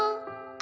「あ！」